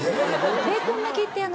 ベーコン巻きってあの。